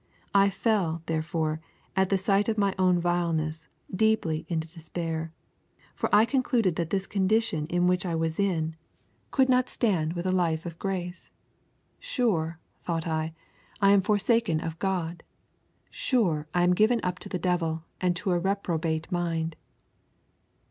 I fell, therefore, at the sight of my own vileness, deeply into despair, for I concluded that this condition in which I was in could not stand with a life of grace. Sure, thought I, I am forsaken of God; sure I am given up to the devil, and to a reprobate mind.'